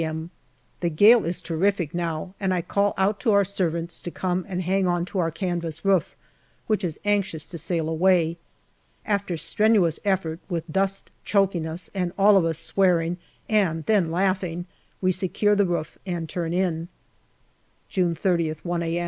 m. The gale is terrific now, and I call out to our servants to come and hang on to our canvas roof, which is anxious JUNE 151 to sail away. After strenuous effort, with dust choking us, and all of us swearing and then laughing, we secure the roof and turn in. June 3Qth, 1 a.